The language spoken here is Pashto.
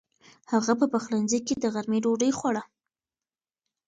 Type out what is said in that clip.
هغه په پخلنځي کې د غرمې ډوډۍ خوړه.